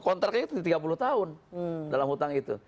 kontraknya itu tiga puluh tahun dalam hutang itu